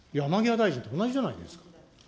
山際大臣と同じじゃないですか。